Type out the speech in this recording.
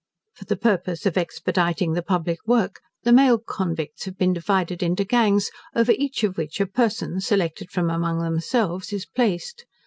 For the purpose of expediting the public work, the male convicts have been divided into gangs, over each of which a person, selected from among themselves, is placed.